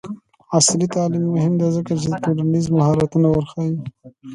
عصري تعلیم مهم دی ځکه چې ټولنیز مهارتونه ورښيي.